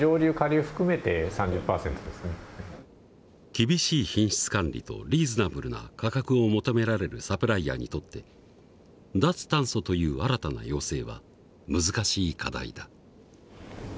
厳しい品質管理とリーズナブルな価格を求められるサプライヤーにとって脱炭素という新たな要請は難しい課題だ。